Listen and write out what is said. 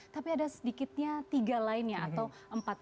tapi ada sedikitnya tiga lainnya atau empat